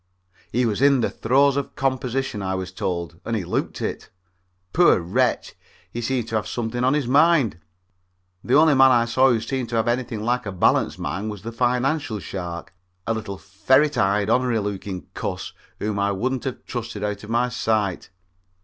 He was in the throes of composition, I was told, and he looked it. Poor wretch, he seemed to have something on his mind. The only man I saw who seemed to have anything like a balanced mind was the financial shark, a little ferret eyed, onery looking cuss whom I wouldn't have trusted out of my sight.